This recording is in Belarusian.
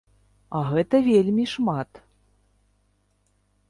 А гэта вельмі шмат!